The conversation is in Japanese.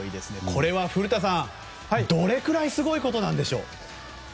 これは古田さんどれくらいすごいことなんでしょう？